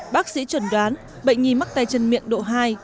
bác sĩ chuẩn đoán bệnh nhi mắc tay chân miệng độ hai